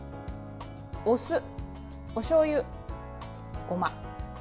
お酢、おしょうゆ、ごま。